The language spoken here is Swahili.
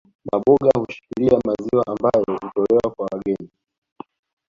Maboga hushikilia maziwa ambayo hutolewa kwa wageni